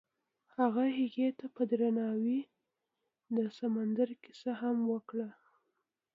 هغه هغې ته په درناوي د سمندر کیسه هم وکړه.